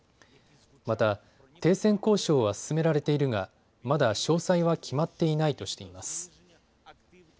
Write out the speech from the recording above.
また、停戦交渉は進められているがまだ詳細は決まっていないとしています。